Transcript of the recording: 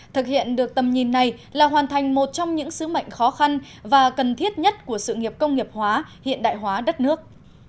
thực hiện được tầm nhìn này là hoàn thành một trong những sứ mệnh khó khăn và cần thiết nhất của sự nghiệp công nghiệp hóa hiện đại hóa đất nước